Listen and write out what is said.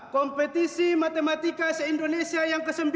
kompetisi matematika se indonesia yang ke sembilan